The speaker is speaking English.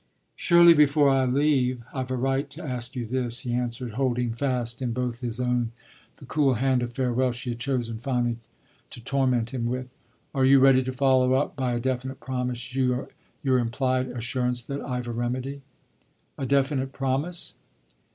"Surely before I leave you I've a right to ask you this," he answered, holding fast in both his own the cool hand of farewell she had chosen finally to torment him with. "Are you ready to follow up by a definite promise your implied assurance that I've a remedy?" "A definite promise?"